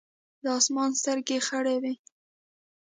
د اسمان سترګې خړې وې ـ